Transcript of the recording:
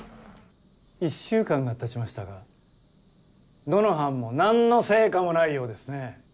１週間がたちましたがどの班も何の成果もないようですね。